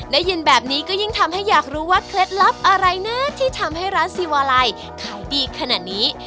ได้ยินแบบนี้ก็ยิ่งทำให้อยากรู้ว่าเคล็ดลับอะไรนะที่ทำให้ร้านซีวาลัยขายดีขนาดนี้